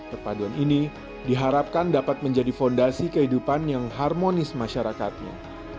perpaduan ini diharapkan dapat menjadi fondasi kehidupan yang harmonis masyarakatnya